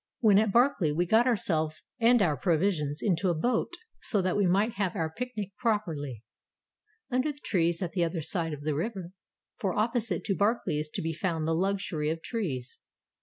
When at Barkly we got ourselves and our provisions into a boat so that we might have our picnic properly, under the trees at the other side of the river, — for opposite to Barkly is to be found the luxury of trees.